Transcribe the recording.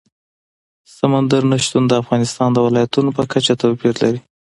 سمندر نه شتون د افغانستان د ولایاتو په کچه توپیر لري.